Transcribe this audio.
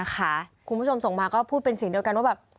คุณผู้ชมส่งมาก็พูดเป็นเสียงเดียวกันว่าแบบ